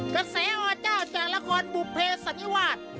กระแสอเจ้าจากละครบุภเพสันนิวาส